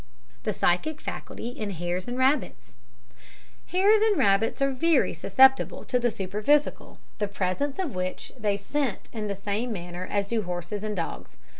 The Psychic Faculty in Hares and Rabbits Hares and rabbits are very susceptible to the superphysical, the presence of which they scent in the same manner as do horses and dogs.